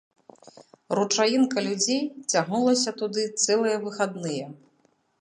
Ручаінка людзей цягнулася туды цэлыя выхадныя.